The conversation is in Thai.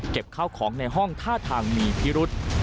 เก็บเข้าของในห้องท่าทางมีพิรุธ